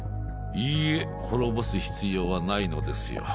いいえ滅ぼす必要はないのですよ。